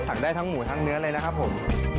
ได้ทั้งหมูทั้งเนื้อเลยนะครับผม